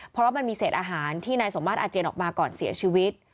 เพราะว่ามันมีเศษอาหารที่นายสมมาตรอาเจียนออกมาก่อนเสียชีวิต